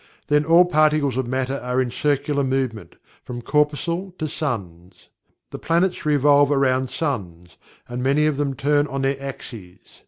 Then all particles of Matter are in circular movement, from corpuscle to suns. The planets revolve around suns, and many of them turn on their axes.